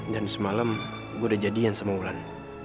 dan semalam gue udah jadiin sama wulan